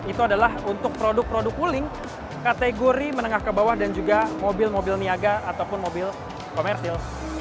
itu adalah untuk produk produk wuling kategori menengah ke bawah dan juga mobil mobil niaga ataupun mobil komersil